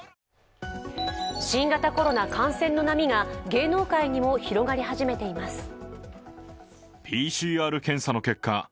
新型コロナ感染の波が芸能界にも広がり始めています。